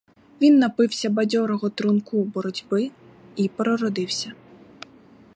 Він напився бадьорого трунку боротьби й переродився.